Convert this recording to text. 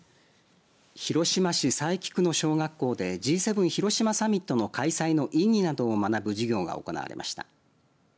広島市佐伯区の小学校でＧ７広島サミットの開催の意義などを学ぶ授業が行われました。